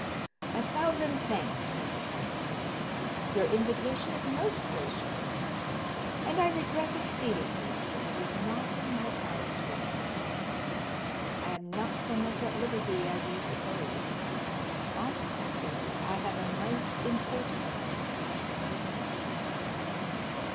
"A thousand thanks," said the count, "your invitation is most gracious, and I regret exceedingly that it is not in my power to accept it. I am not so much at liberty as you suppose; on the contrary, I have a most important engagement."